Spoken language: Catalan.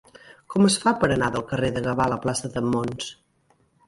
Com es fa per anar del carrer de Gavà a la plaça de Mons?